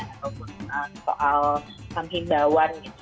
ataupun soal pembimbingan gitu